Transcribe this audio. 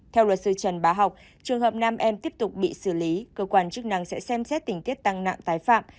theo luật sư trần bá học trường hợp nam em tiếp tục bị xử lý cơ quan chức năng sẽ xem xét tình tiết tăng nặng tái phạm